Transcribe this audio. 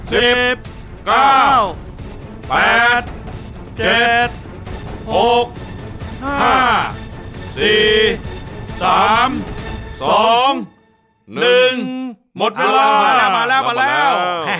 หมดเวลามาแล้ว